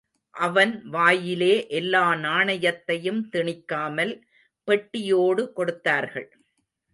அவன் வாயிலே எல்லா நாணயத்தையும் திணிக்காமல், பெட்டியோடு கொடுத்தார்கள்.